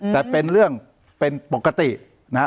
แต่เป็นเรื่องเป็นปกตินะฮะ